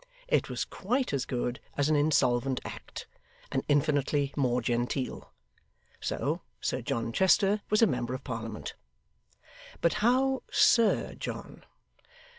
It was quite as good as an Insolvent Act, and infinitely more genteel. So Sir John Chester was a member of Parliament. But how Sir John?